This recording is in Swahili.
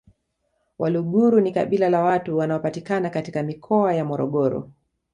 Waluguru ni kabila la watu wanaopatikana katika Mikoa ya Morogoro